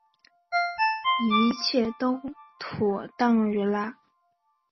一切都妥当惹拉